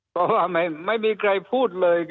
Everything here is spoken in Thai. เพราะว่าไม่มีใครพูดเลย